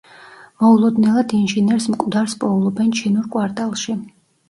მოულოდნელად ინჟინერს მკვდარს პოულობენ ჩინურ კვარტალში.